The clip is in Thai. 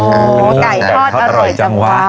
อ๋อไก่ทอดอร่อยจังวะ